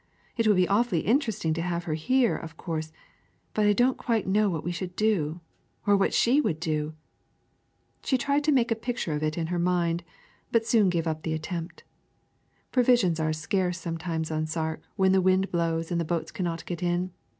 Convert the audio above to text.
"It would be awfully interesting to have her here, of course but I don't quite know what we should do or what she would do!" She tried to make a picture of it in her mind, but soon gave up the attempt. Provisions are scarce sometimes on Sark when the wind blows and the boats cannot get in.